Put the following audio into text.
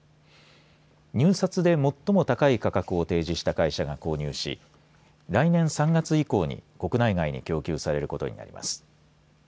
入札で最も高い価格を提示した会社が購入し来年３月以降に国内外に供給されることになります。